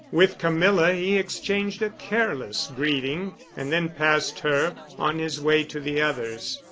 With Camilla he exchanged a careless greeting and then passed her on his way to the others.